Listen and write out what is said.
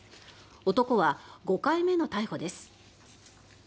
男は５回目の逮捕です。